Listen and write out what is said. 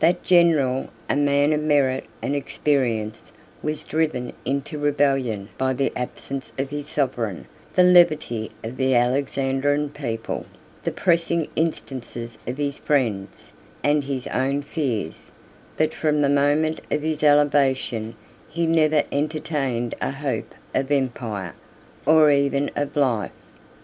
That general, a man of merit and experience, was driven into rebellion by the absence of his sovereign, the levity of the Alexandrian people, the pressing instances of his friends, and his own fears; but from the moment of his elevation, he never entertained a hope of empire, or even of life.